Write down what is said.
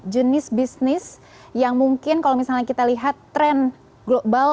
jenis bisnis yang mungkin kalau misalnya kita lihat tren global